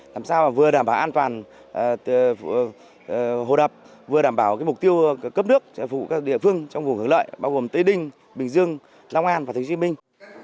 làm sao vừa đảm bảo an toàn hồ đập vừa đảm bảo mục tiêu cấp nước vụ các địa phương trong vùng hưởng lợi bao gồm tây ninh bình dương long an và thành chí minh